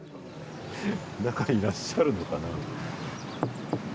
中にいらっしゃるのかな。